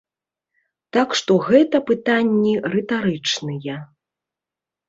Так што гэта пытанні рытарычныя.